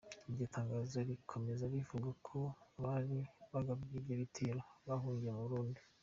Iryo tangazo rikomeza rivuga ko abari bagabye icyo gitero bahungiye mu Burundi.